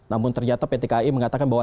namun ternyata pt kai mengatakan bahwa